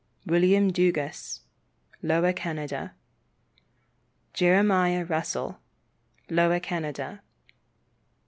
William Dugas, Lower Canada. Jeremiah Russell, Lower Canada.